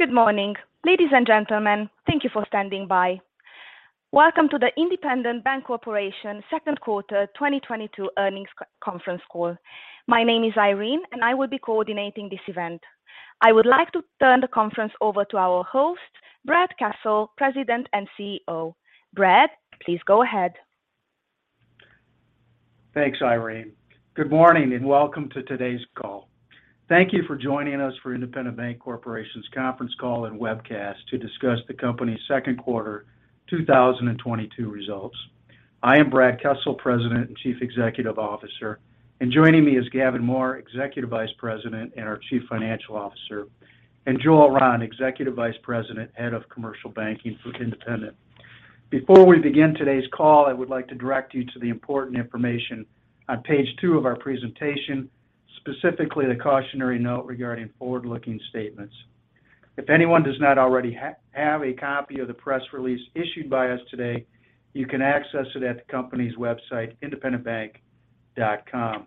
Good morning. Ladies and gentlemen, thank you for standing by. Welcome to the Independent Bank Corporation second quarter 2022 earnings conference call. My name is Irene and I will be coordinating this event. I would like to turn the conference over to our host, Brad Kessel, President and CEO. Brad, please go ahead. Thanks, Irene. Good morning and welcome to today's call. Thank you for joining us for Independent Bank Corporation's conference call and webcast to discuss the company's second quarter 2022 results. I am Brad Kessel, President and Chief Executive Officer, and joining me is Gavin Mohr, Executive Vice President and our Chief Financial Officer, and Joel Rahn, Executive Vice President, Head of Commercial Banking for Independent. Before we begin today's call, I would like to direct you to the important information on page two of our presentation, specifically the cautionary note regarding forward-looking statements. If anyone does not already have a copy of the press release issued by us today, you can access it at the company's website, IndependentBank.com.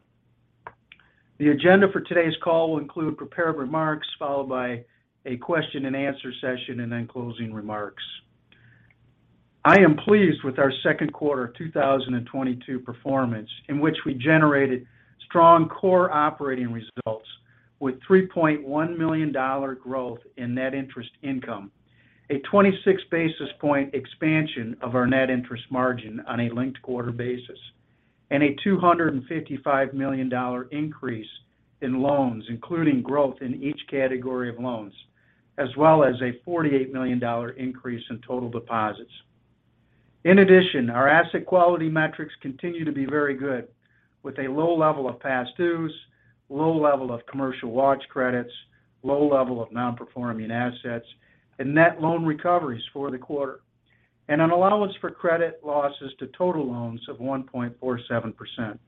The agenda for today's call will include prepared remarks followed by a question-and-answer session and then closing remarks. I am pleased with our second quarter 2022 performance in which we generated strong core operating results with $3.1 million growth in net interest income, a 26 basis point expansion of our net interest margin on a linked quarter basis, and a $255 million increase in loans, including growth in each category of loans, as well as a $48 million increase in total deposits. In addition, our asset quality metrics continue to be very good with a low level of past dues, low level of commercial watch credits, low level of non-performing assets, and net loan recoveries for the quarter, and an allowance for credit losses to total loans of 1.47%.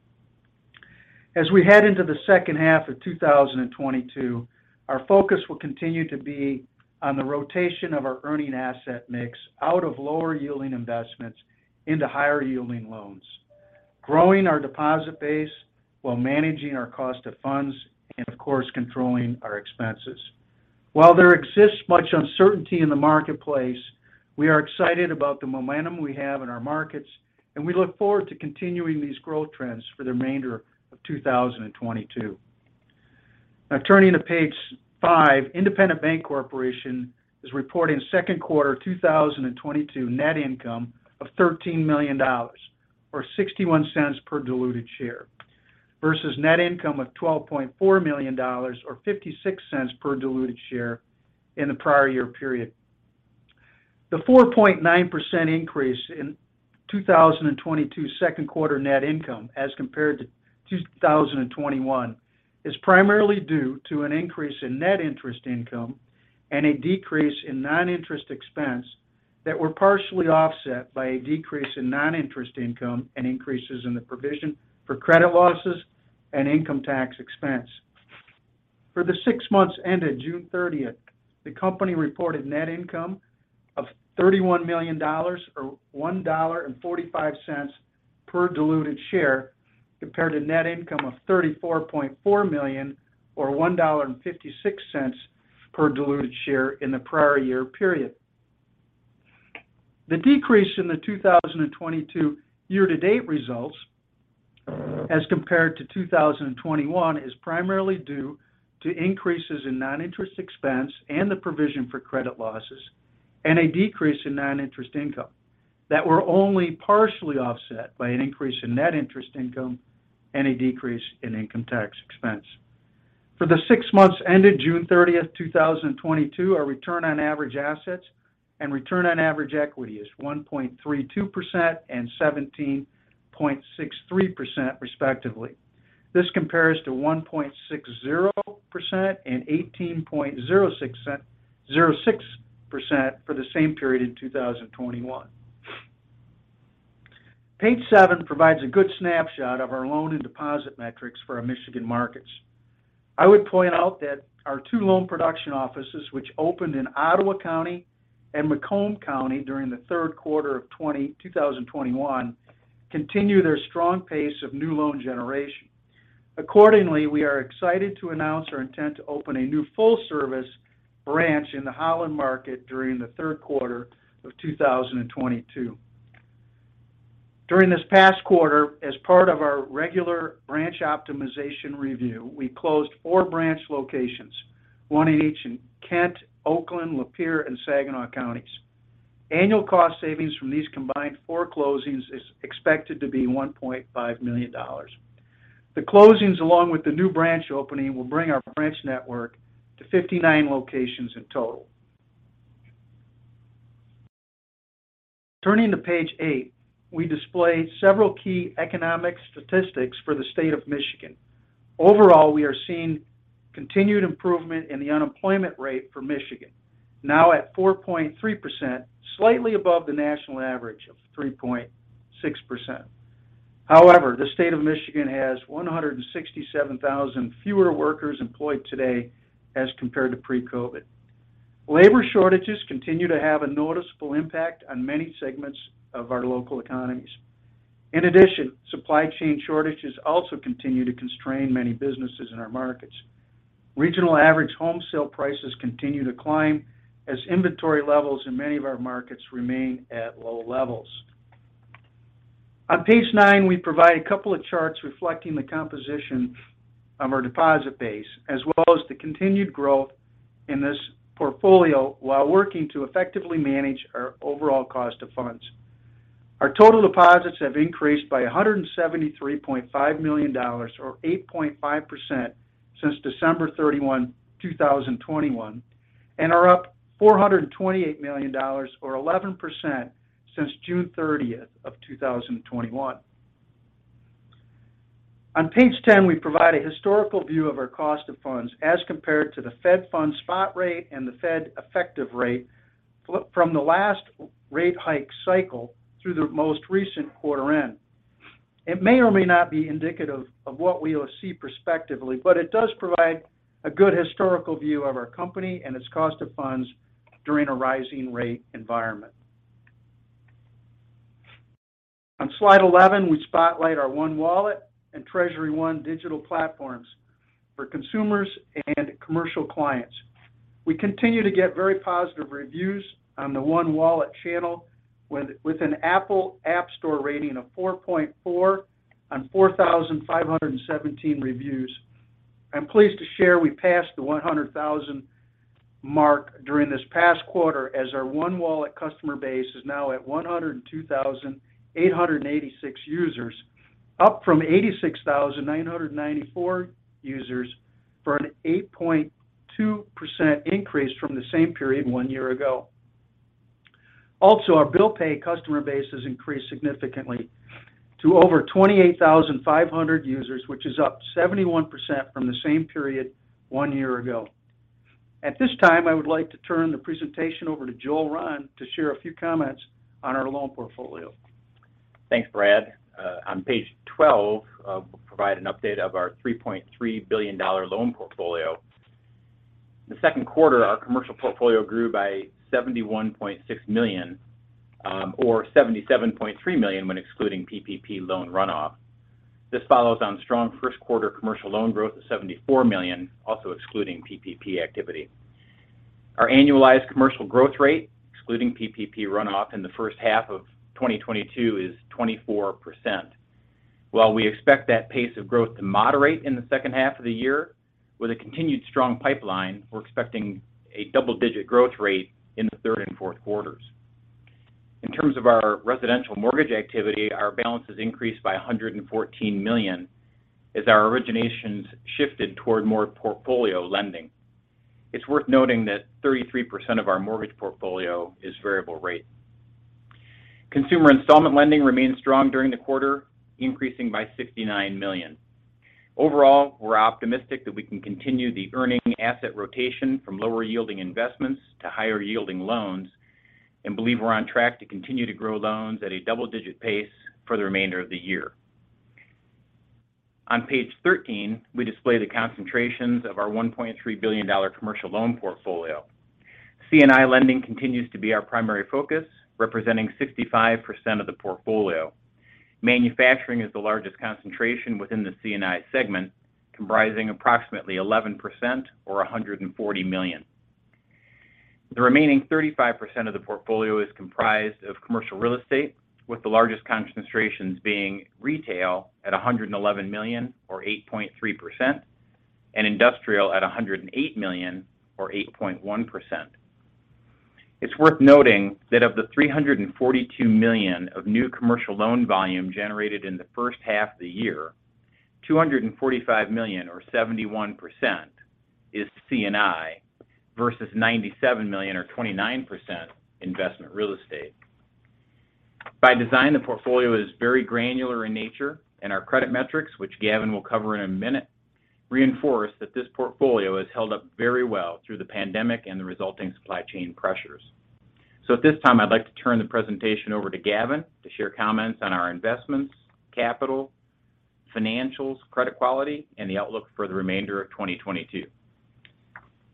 As we head into the second half of 2022, our focus will continue to be on the rotation of our earning asset mix out of lower yielding investments into higher yielding loans, growing our deposit base while managing our cost of funds and of course, controlling our expenses. While there exists much uncertainty in the marketplace, we are excited about the momentum we have in our markets, and we look forward to continuing these growth trends for the remainder of 2022. Now turning to page five, Independent Bank Corporation is reporting second quarter 2022 net income of $13 million or $0.61 per diluted share versus net income of $12.4 million or $0.56 per diluted share in the prior year period. The 4.9% increase in 2022 second quarter net income as compared to 2021 is primarily due to an increase in net interest income and a decrease in non-interest expense that were partially offset by a decrease in non-interest income and increases in the provision for credit losses and income tax expense. For the six months ended June 30th, the company reported net income of $31 million or $1.45 per diluted share compared to net income of $34.4 million or $1.56 per diluted share in the prior year period. The decrease in the 2022 year-to-date results as compared to 2021 is primarily due to increases in non-interest expense and the provision for credit losses and a decrease in non-interest income that were only partially offset by an increase in net interest income and a decrease in income tax expense. For the six months ended June 30th, 2022, our return on average assets and return on average equity is 1.32% and 17.63% respectively. This compares to 1.60% and 18.06% for the same period in 2021. Page seven provides a good snapshot of our loan and deposit metrics for our Michigan markets. I would point out that our two loan production offices, which opened in Ottawa County and Macomb County during the third quarter of 2021, continue their strong pace of new loan generation. Accordingly, we are excited to announce our intent to open a new full-service branch in the Holland market during the third quarter of 2022. During this past quarter, as part of our regular branch optimization review, we closed four branch locations, one in each in Kent, Oakland, Lapeer, and Saginaw counties. Annual cost savings from these combined four closings is expected to be $1.5 million. The closings along with the new branch opening will bring our branch network to 59 locations in total. Turning to page eight, we display several key economic statistics for the state of Michigan. Overall, we are seeing continued improvement in the unemployment rate for Michigan now at 4.3%, slightly above the national average of 3.6%. However, the state of Michigan has 167,000 fewer workers employed today as compared to pre-COVID. Labor shortages continue to have a noticeable impact on many segments of our local economies. In addition, supply chain shortages also continue to constrain many businesses in our markets. Regional average home sale prices continue to climb as inventory levels in many of our markets remain at low levels. On page nine, we provide a couple of charts reflecting the composition of our deposit base, as well as the continued growth in this portfolio while working to effectively manage our overall cost of funds. Our total deposits have increased by $173.5 million, or 8.5% since December 31, 2021, and are up $428 million or 11% since June 30th, 2021. On page 10, we provide a historical view of our cost of funds as compared to the Fed funds spot rate and the Fed effective rate from the last rate hike cycle through the most recent quarter end. It may or may not be indicative of what we will see prospectively, but it does provide a good historical view of our company and its cost of funds during a rising rate environment. On slide 11, we spotlight our ONE Wallet and TreasuryONE digital platforms for consumers and commercial clients. We continue to get very positive reviews on the ONE Wallet channel with an Apple App Store rating of 4.4 on 4,517 reviews. I'm pleased to share we passed the 100,000 mark during this past quarter as our ONE Wallet customer base is now at 102,886 users, up from 86,994 users, for an 8.2% increase from the same period one year ago. Also, our bill pay customer base has increased significantly to over 28,500 users, which is up 71% from the same period one year ago. At this time, I would like to turn the presentation over to Joel Rahn to share a few comments on our loan portfolio. Thanks, Brad. On page 12, we'll provide an update of our $3.3 billion loan portfolio. In the second quarter, our commercial portfolio grew by $71.6 million, or $77.3 million when excluding PPP loan runoff. This follows on strong first quarter commercial loan growth of $74 million, also excluding PPP activity. Our annualized commercial growth rate, excluding PPP runoff in the first half of 2022, is 24%. While we expect that pace of growth to moderate in the second half of the year with a continued strong pipeline, we're expecting a double-digit growth rate in the third and fourth quarters. In terms of our residential mortgage activity, our balances increased by $114 million as our originations shifted toward more portfolio lending. It's worth noting that 33% of our mortgage portfolio is variable rate. Consumer installment lending remained strong during the quarter, increasing by $69 million. Overall, we're optimistic that we can continue the earning asset rotation from lower yielding investments to higher yielding loans and believe we're on track to continue to grow loans at a double-digit pace for the remainder of the year. On page 13, we display the concentrations of our $1.3 billion commercial loan portfolio. C&I lending continues to be our primary focus, representing 65% of the portfolio. Manufacturing is the largest concentration within the C&I segment, comprising approximately 11% or $140 million. The remaining 35% of the portfolio is comprised of commercial real estate, with the largest concentrations being retail at $111 million or 8.3% and industrial at $108 million or 8.1%. It's worth noting that of the $342 million of new commercial loan volume generated in the first half of the year, $245 million or 71% is C&I versus $97 million or 29% investment real estate. By design, the portfolio is very granular in nature, and our credit metrics, which Gavin will cover in a minute, reinforce that this portfolio has held up very well through the pandemic and the resulting supply chain pressures. At this time, I'd like to turn the presentation over to Gavin to share comments on our investments, capital, financials, credit quality, and the outlook for the remainder of 2022.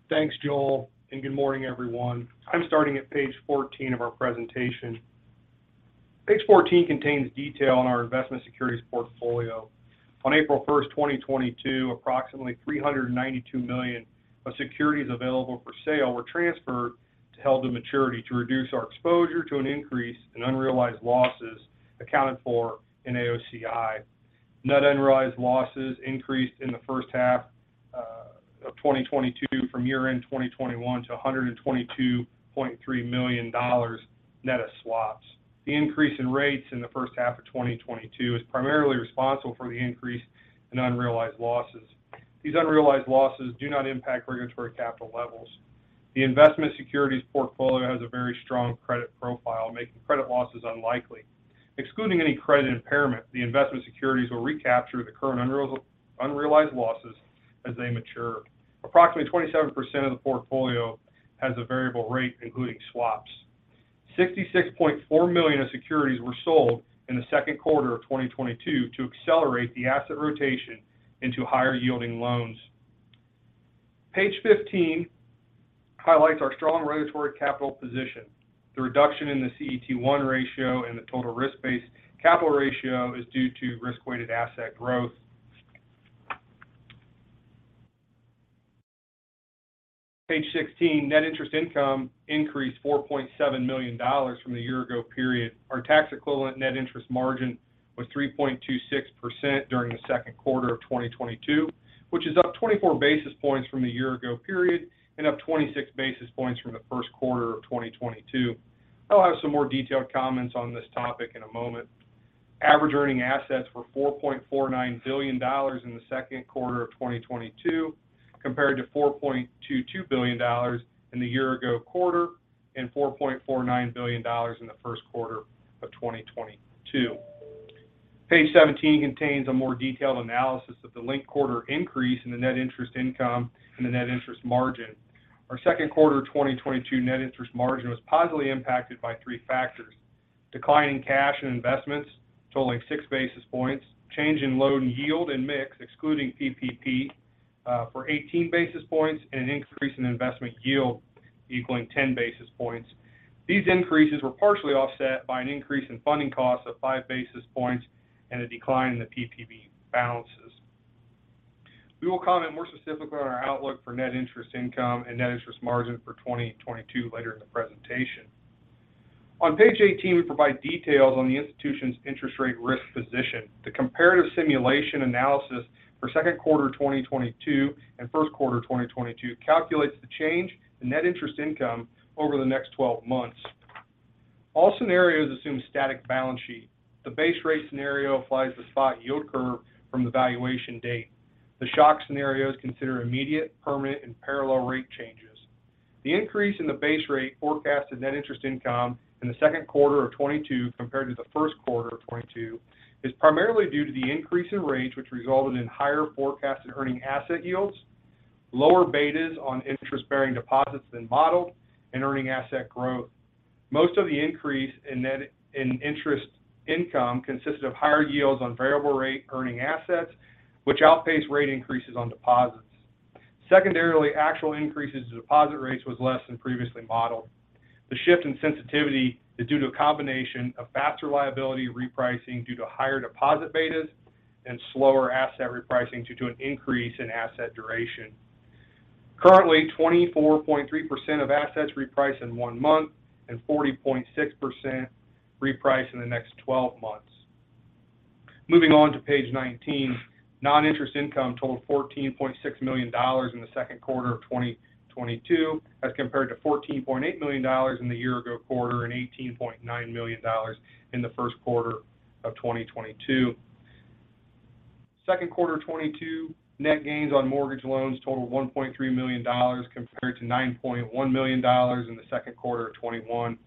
Thanks, Joel, and good morning, everyone. I'm starting at page 14 of our presentation. Page 14 contains detail on our investment securities portfolio. On April 1st, 2022, approximately $392 million of securities Available for Sale were transferred to Held to Maturity to reduce our exposure to an increase in unrealized losses accounted for in AOCI. Net unrealized losses increased in the first half of 2022 from year-end 2021 to $122.3 million net of swaps. The increase in rates in the first half of 2022 is primarily responsible for the increase in unrealized losses. These unrealized losses do not impact regulatory capital levels. The investment securities portfolio has a very strong credit profile, making credit losses unlikely. Excluding any credit impairment, the investment securities will recapture the current unrealized losses as they mature. Approximately 27% of the portfolio has a variable rate, including swaps. $66.4 million of securities were sold in the second quarter of 2022 to accelerate the asset rotation into higher yielding loans. Page 15 highlights our strong regulatory capital position. The reduction in the CET1 ratio and the total risk-based capital ratio is due to risk-weighted asset growth. Page 16, net interest income increased $4.7 million from the year ago period. Our tax equivalent net interest margin was 3.26% during the second quarter of 2022, which is up 24 basis points from the year ago period and up 26 basis points from the first quarter of 2022. I'll have some more detailed comments on this topic in a moment. Average earning assets were $4.49 billion in the second quarter of 2022, compared to $4.22 billion in the year ago quarter and $4.49 billion in the first quarter of 2022. Page 17 contains a more detailed analysis of the linked quarter increase in the net interest income and the net interest margin. Our second quarter 2022 net interest margin was positively impacted by three factors. Decline in cash and investments totaling six basis points, change in loan yield and mix, excluding PPP, for 18 basis points, and an increase in investment yield equaling 10 basis points. These increases were partially offset by an increase in funding costs of five basis points and a decline in the PPP balances. We will comment more specifically on our outlook for net interest income and net interest margin for 2022 later in the presentation. On page 18, we provide details on the institution's interest rate risk position. The comparative simulation analysis for second quarter 2022 and first quarter 2022 calculates the change in net interest income over the next 12 months. All scenarios assume static balance sheet. The base rate scenario applies the spot yield curve from the valuation date. The shock scenarios consider immediate, permanent, and parallel rate changes. The increase in the base rate forecast in net interest income in the second quarter of 2022 compared to the first quarter of 2022 is primarily due to the increase in rates which resulted in higher forecasted earning asset yields, lower betas on interest-bearing deposits than modeled, and earning asset growth. Most of the increase in net interest income consisted of higher yields on variable rate earning assets, which outpaced rate increases on deposits. Secondarily, actual increases to deposit rates was less than previously modeled. The shift in sensitivity is due to a combination of faster liability repricing due to higher deposit betas and slower asset repricing due to an increase in asset duration. Currently, 24.3% of assets reprice in one month and 40.6% reprice in the next 12 months. Moving on to page 19, non-interest income totaled $14.6 million in the second quarter of 2022 as compared to $14.8 million in the year ago quarter and $18.9 million in the first quarter of 2022. Second quarter 2022 net gains on mortgage loans totaled $1.3 million compared to $9.1 million in the second quarter of 2021.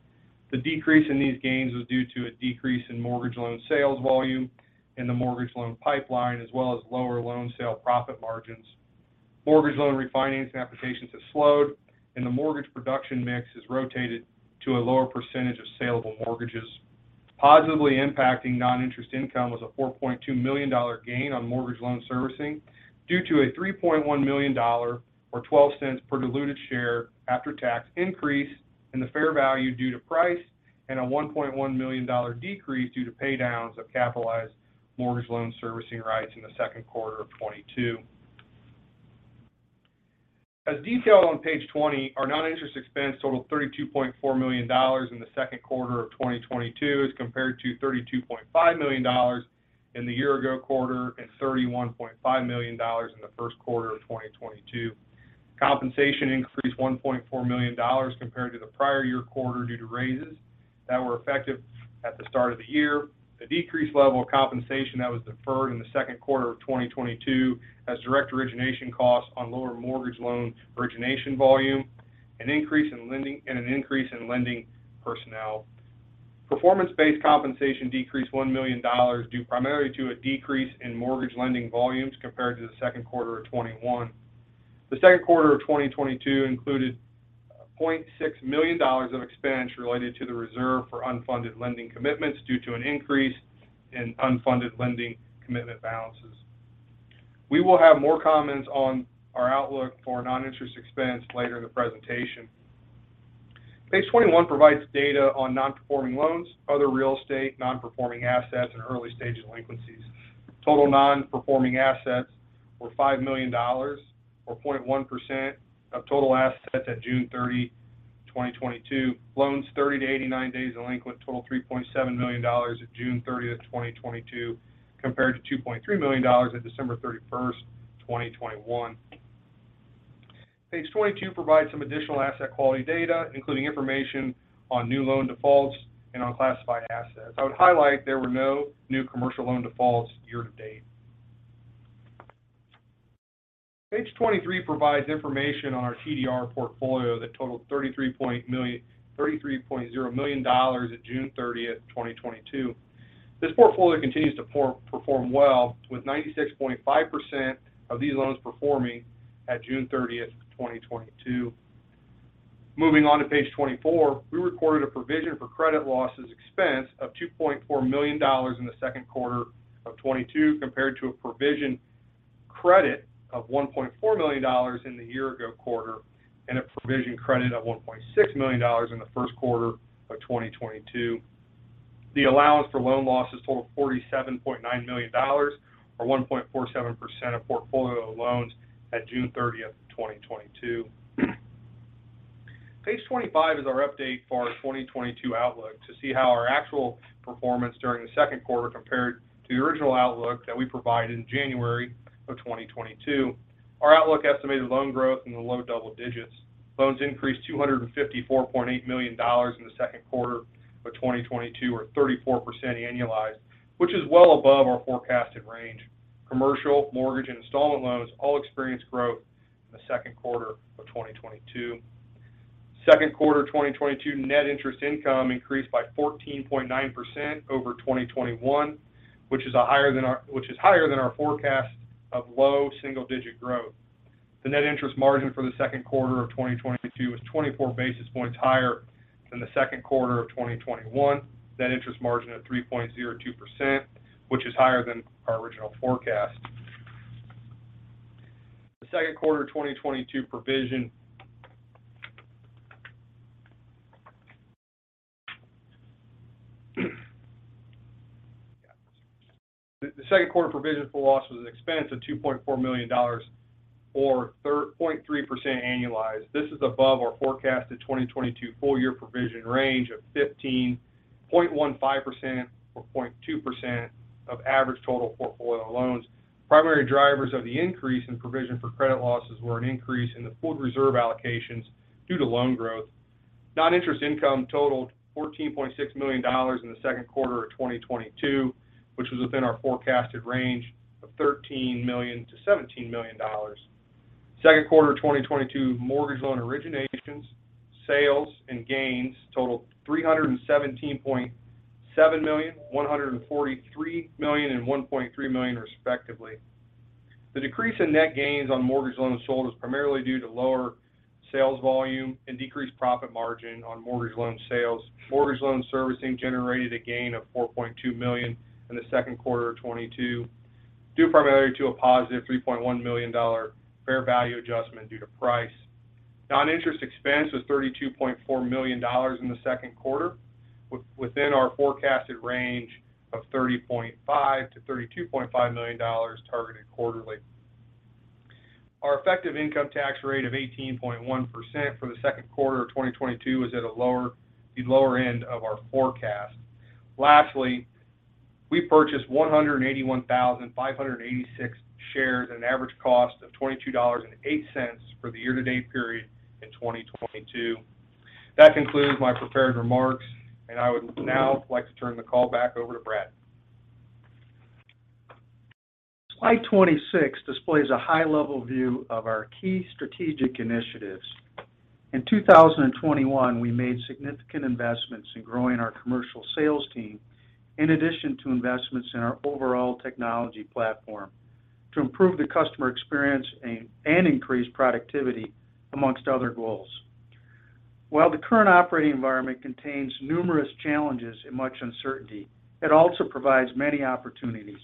The decrease in these gains was due to a decrease in mortgage loan sales volume in the mortgage loan pipeline, as well as lower loan sale profit margins. Mortgage loan refinancing applications have slowed, and the mortgage production mix has rotated to a lower percentage of saleable mortgages. Positively impacting non-interest income was a $4.2 million gain on mortgage loan servicing due to a $3.1 million or $0.12 per diluted share after-tax increase in the fair value due to price and a $1.1 million decrease due to pay downs of capitalized mortgage loan servicing rights in the second quarter of 2022. As detailed on page 20, our non-interest expense totaled $32.4 million in the second quarter of 2022 as compared to $32.5 million in the year ago quarter and $31.5 million in the first quarter of 2022. Compensation increased $1.4 million compared to the prior year quarter due to raises that were effective at the start of the year. The decreased level of compensation that was deferred in the second quarter of 2022 and direct origination costs on lower mortgage loan origination volume, an increase in lending and an increase in lending personnel. Performance-based compensation decreased $1 million due primarily to a decrease in mortgage lending volumes compared to the second quarter of 2021. The second quarter of 2022 included $0.6 million of expense related to the reserve for unfunded lending commitments due to an increase in unfunded lending commitment balances. We will have more comments on our outlook for non-interest expense later in the presentation. Page 21 provides data on non-performing loans, other real estate, non-performing assets, and early-stage delinquencies. Total non-performing assets were $5 million or 0.1% of total assets at June 30th, 2022. Loans 30-89 days delinquent totaled $3.7 million on June 30th, 2022, compared to $2.3 million at December 31st, 2021. Page 22 provides some additional asset quality data, including information on new loan defaults and unclassified assets. I would highlight there were no new commercial loan defaults year-to-date. Page 23 provides information on our TDR portfolio that totaled $33.0 million on June 30th, 2022. This portfolio continues to perform well with 96.5% of these loans performing at June 30th, 2022. Moving on to page 24, we recorded a provision for credit losses expense of $2.4 million in the second quarter of 2022 compared to a provision credit of $1.4 million in the year ago quarter and a provision credit of $1.6 million in the first quarter of 2022. The allowance for loan losses totaled $47.9 million or 1.47% of portfolio loans on June 30, 2022. Page 25 is our update for our 2022 outlook to see how our actual performance during the second quarter compared to the original outlook that we provided in January 2022. Our outlook estimated loan growth in the low double digits. Loans increased $254.8 million in the second quarter of 2022 or 34% annualized, which is well above our forecasted range. Commercial, mortgage, and installment loans all experienced growth in the second quarter of 2022. Second quarter 2022 net interest income increased by 14.9% over 2021, which is higher than our forecast of low single digit growth. The net interest margin for the second quarter of 2022 is 24 basis points higher than the second quarter of 2021. Net interest margin at 3.02% which is higher than our original forecast. The second quarter 2022 provision for credit losses was an expense of $2.4 million or 0.3% annualized. This is above our forecasted 2022 full year provision range of $15.15 million or 0.2% of average total portfolio loans. Primary drivers of the increase in provision for credit losses were an increase in the pooled reserve allocations due to loan growth. Non-interest income totaled $14.6 million in the second quarter of 2022, which was within our forecasted range of $13 million-$17 million. Second quarter 2022 mortgage loan originations, sales, and gains totaled $317.7 million, $143 million, and $1.3 million respectively. The decrease in net gains on mortgage loans sold was primarily due to lower sales volume and decreased profit margin on mortgage loan sales. Mortgage loan servicing generated a gain of $4.2 million in the second quarter of 2022 due primarily to a positive $3.1 million fair value adjustment due to price. Non-interest expense was $32.4 million in the second quarter within our forecasted range of $30.5 million-$32.5 million targeted quarterly. Our effective income tax rate of 18.1% for the second quarter of 2022 is at the lower end of our forecast. Lastly, we purchased 181,586 shares at an average cost of $22.08 for the year-to-date period in 2022. That concludes my prepared remarks, and I would now like to turn the call back over to Brad. Slide 26 displays a high-level view of our key strategic initiatives. In 2021, we made significant investments in growing our commercial sales team in addition to investments in our overall technology platform to improve the customer experience and increase productivity amongst other goals. While the current operating environment contains numerous challenges and much uncertainty, it also provides many opportunities.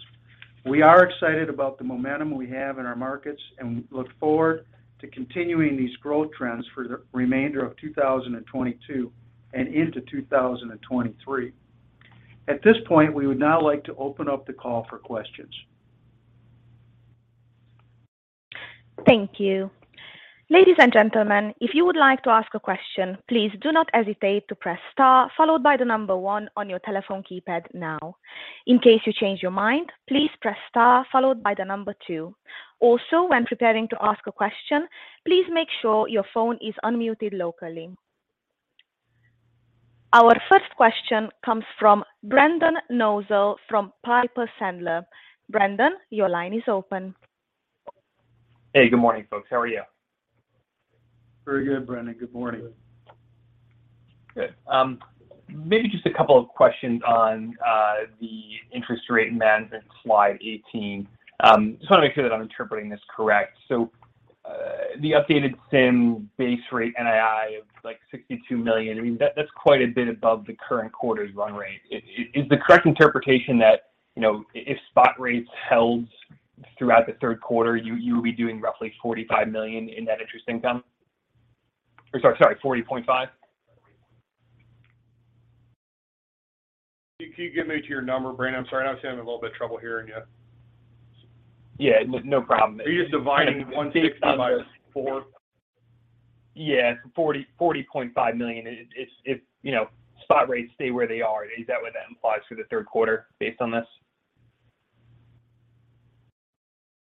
We are excited about the momentum we have in our markets, and we look forward to continuing these growth trends for the remainder of 2022 and into 2023. At this point, we would now like to open up the call for questions. Thank you. Ladies and gentlemen, if you would like to ask a question, please do not hesitate to press star followed by the number one on your telephone keypad now. In case you change your mind, please press star followed by the number two. Also, when preparing to ask a question, please make sure your phone is unmuted locally. Our first question comes from Brendan Nosal from Piper Sandler. Brendan, your line is open. Hey, good morning, folks. How are you? Very good, Brendan. Good morning. Good. Maybe just a couple of questions on the interest rate management slide 18. Just want to make sure that I'm interpreting this correct. The updated SIM base rate NII of, like, $62 million, I mean, that's quite a bit above the current quarter's run rate. Is the correct interpretation that, you know, if spot rates held throughout the third quarter, you would be doing roughly $45 million in net interest income? Or sorry, $40.5. Can you get me to your number, Brendan? I'm sorry, I was having a little bit of trouble hearing you. Yeah, no problem. Are you just dividing 160 by four? Yeah, $40.5 million if, you know, spot rates stay where they are. Is that what that implies for the third quarter based on this?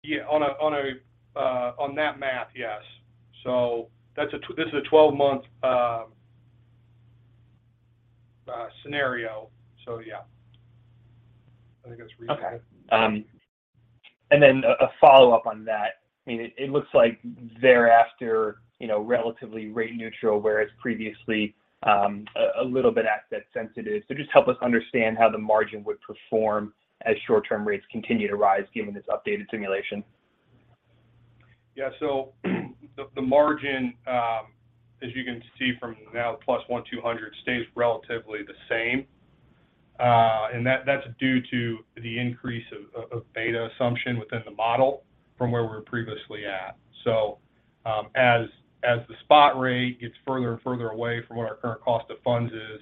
Yeah, on that math, yes. That's a 12-month scenario, so yeah. I think that's reasonable. Okay. A follow-up on that. I mean, it looks like thereafter, you know, relatively rate neutral whereas previously, a little bit asset sensitive. Just help us understand how the margin would perform as short-term rates continue to rise given this updated simulation? Yeah. The margin, as you can see from now +1-200 stays relatively the same. That’s due to the increase of beta assumption within the model from where we were previously at. As the spot rate gets further and further away from what our current cost of funds is,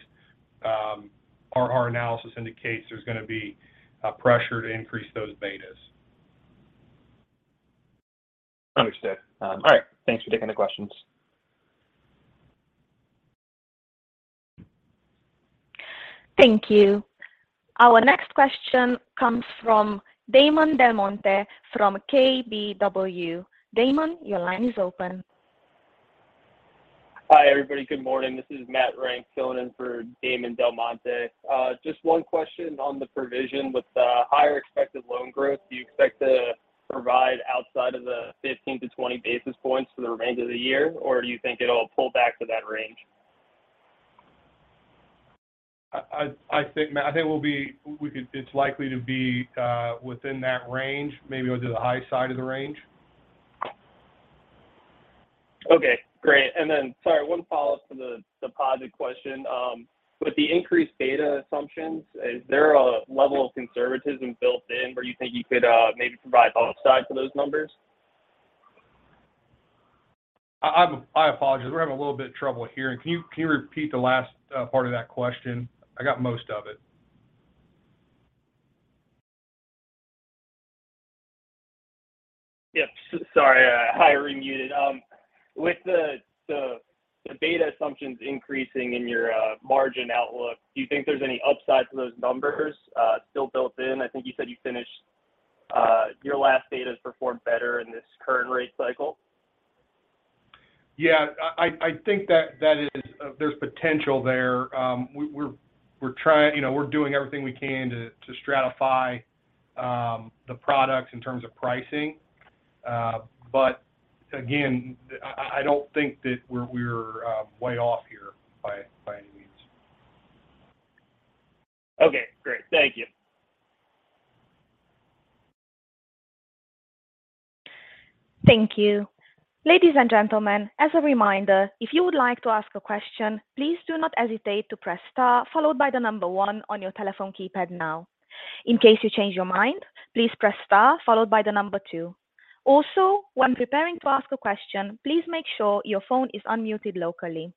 our analysis indicates there's gonna be a pressure to increase those betas. Understood. All right. Thanks for taking the questions. Thank you. Our next question comes from Damon Del Monte from KBW. Damon, your line is open. Hi, everybody. Good morning. This is Matt Rank filling in for Damon Del Monte. Just one question on the provision. With the higher expected loan growth, do you expect to provide outside of the 15-20 basis points for the remainder of the year, or do you think it'll pull back to that range? I think, Matt, it's likely to be within that range, maybe go to the high side of the range. Okay, great. Sorry, one follow-up to the deposit question. With the increased beta assumptions, is there a level of conservatism built in where you think you could maybe provide upside to those numbers? I apologize. We're having a little bit of trouble hearing. Can you repeat the last part of that question? I got most of it. Yep, sorry, I remuted. With the beta assumptions increasing in your margin outlook, do you think there's any upside to those numbers still built in? I think you said your latest beta has performed better in this current rate cycle. Yeah. I think there's potential there. You know, we're doing everything we can to stratify the products in terms of pricing. Again, I don't think that we're way off here by any means. Okay, great. Thank you. Thank you. Ladies and gentlemen, as a reminder, if you would like to ask a question, please do not hesitate to press star followed by the number one on your telephone keypad now. In case you change your mind, please press star followed by the number two. Also, when preparing to ask a question, please make sure your phone is unmuted locally.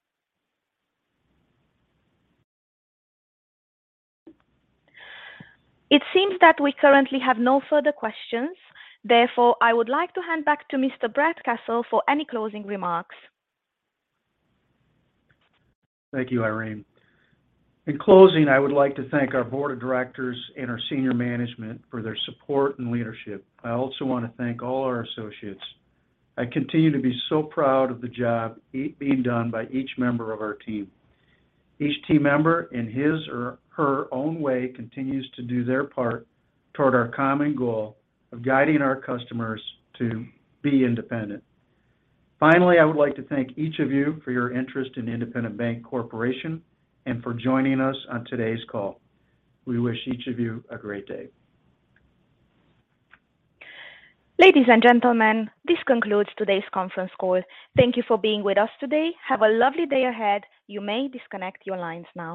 It seems that we currently have no further questions. Therefore, I would like to hand back to Mr. Kessel for any closing remarks. Thank you, Irene. In closing, I would like to thank our board of directors and our senior management for their support and leadership. I also want to thank all our associates. I continue to be so proud of the job being done by each member of our team. Each team member in his or her own way continues to do their part toward our common goal of guiding our customers to be independent. Finally, I would like to thank each of you for your interest in Independent Bank Corporation and for joining us on today's call. We wish each of you a great day. Ladies and gentlemen, this concludes today's conference call. Thank you for being with us today. Have a lovely day ahead. You may disconnect your lines now.